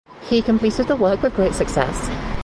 He completed the work with great success.